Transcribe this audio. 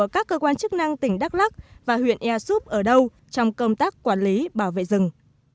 các cơ quan chức năng tỉnh đắk lắc và huyện ea súp ở đâu trong công tác quản lý bảo vệ rừng